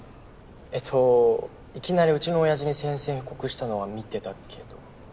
えっといきなりうちの親父に宣戦布告したのは見てたけど。